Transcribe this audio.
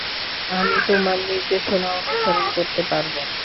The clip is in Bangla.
আমি তোমার নির্দেশনা অনুসরণ করতে পারবো।